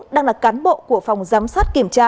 đang là cán bộ của phòng giám sát kiểm tra